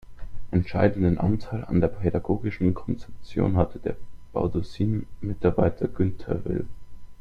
Entscheidenden Anteil an der pädagogischen Konzeption hatte der Baudissin-Mitarbeiter Günter Will.